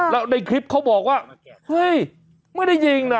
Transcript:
แล้วในคลิปเขาบอกว่าเฮ้ยไม่ได้ยิงนะ